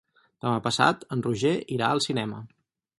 Demà passat en Roger irà al cinema.